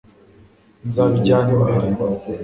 nzabijyana imbere